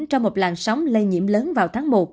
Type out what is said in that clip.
trong một làn sóng lây nhiễm lớn vào tháng một